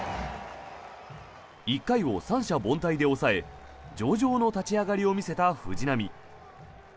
１回を三者凡退で抑え上々の立ち上がりを見せた藤浪。